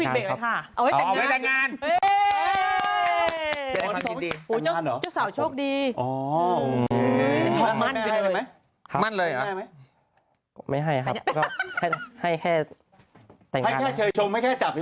ถูกหวยลึกถูกลอตเตอรี่